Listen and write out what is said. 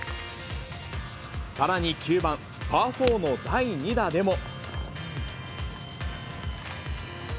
さらに９番、パー４の第２打でも。